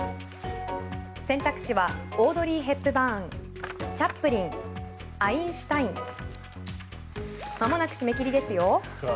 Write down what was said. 選択肢はオードリー・ヘプバーンチャップリン、アインシュタインまもなく締め切りですよ。